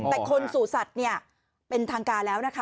แต่คนสู่สัตว์เนี่ยเป็นทางการแล้วนะคะ